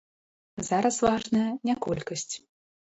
Зараз важная не колькасць.